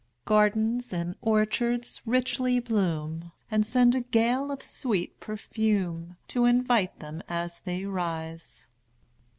Gardens and orchards richly bloom, And send a gale of sweet perfume, To invite them as they rise.